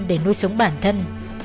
để nuôi sống bản thân